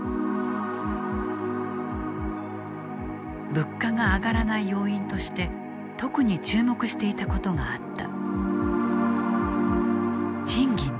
物価が上がらない要因として特に注目していたことがあった。